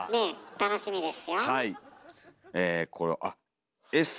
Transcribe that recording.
楽しみですよ。